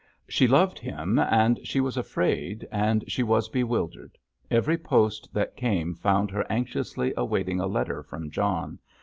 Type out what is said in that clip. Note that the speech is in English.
She loved him—she was afraid, and she was bewildered. Every post that came found her anxiously awaiting a letter from John.